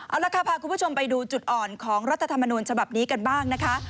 เอาละค่ะพาคุณผู้ชมไปดูจุดอ่อนของรัฐธรรมนูญฉบับนี้กันบ้างนะคะ